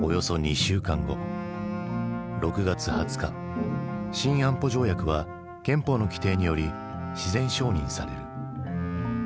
６月２０日新安保条約は憲法の規定により自然承認される。